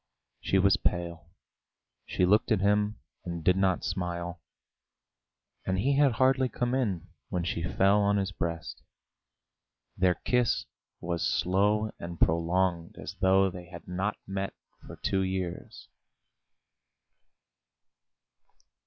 She was pale; she looked at him, and did not smile, and he had hardly come in when she fell on his breast. Their kiss was slow and prolonged, as though they had not met for two years.